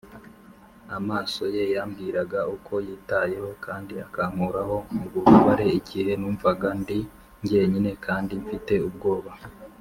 amaso ye yambwiraga uko yitayeho, kandi akankuraho ububabare igihe numvaga ndi jyenyine kandi mfite ubwoba.